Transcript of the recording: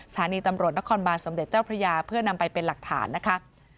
สถานีตำรวจนครบานสมเด็จเจ้าพระยาเพื่อนำไปเป็นหลักฐานนะคะ